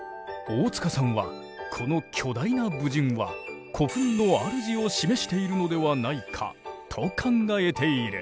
大塚さんはこの巨大な武人は古墳の主を示しているのではないかと考えている。